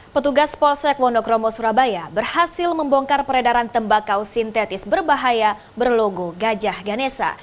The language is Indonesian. petugas polsek wonokromo surabaya berhasil membongkar peredaran tembakau sintetis berbahaya berlogo gajah ganesa